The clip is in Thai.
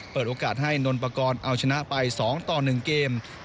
เปิดโอกาสให้นนปกรณ์เอาชนะไป๒ต่อ๑เกม